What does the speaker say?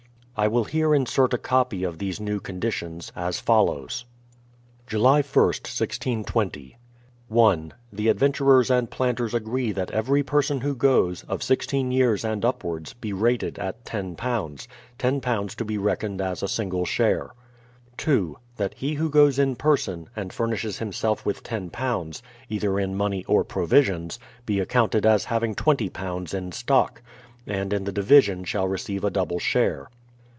I will here insert a copy of these new conditions, as follows. July 1st, 1620. 1. The adventurers and planters agree that every person who goes, of sixteen years and upwards, be rated at £10; £10 to be reckoned as a single share. 2. That he who goes in person, and furnishes himself with iio, either in money, or provisions, be accounted as having £20 in stock; and in the division shall receive a double share.